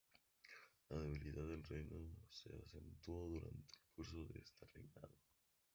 La debilidad del reino se acentuó durante el curso de este reinado.